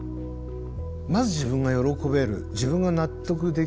まず自分が喜べる自分が納得できる。